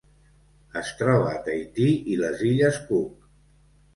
Es troba a Tahití i les illes Cook.